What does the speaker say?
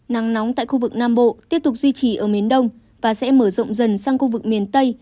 nắng nóng tại khu vực nam bộ tiếp tục duy trì ở miền đông và sẽ mở rộng dần sang khu vực miền tây